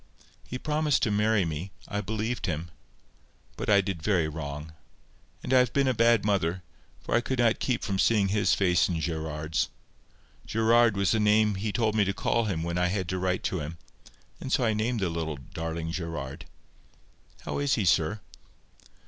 He promised to marry me, I believed him. But I did very wrong. And I have been a bad mother, for I could not keep from seeing his face in Gerard's. Gerard was the name he told me to call him when I had to write to him, and so I named the little darling Gerard. How is he, sir?"